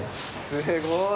すごい！